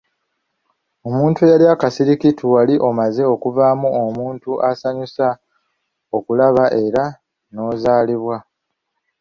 Omuntu eyali akasirikitu wali omaze okuvaamu omuntu asanyusa okulaba era n'ozaalibwa.